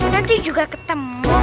nanti juga ketemu